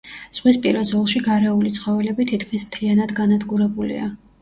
ზღვისპირა ზოლში გარეული ცხოველები თითქმის მთლიანად განადგურებულია.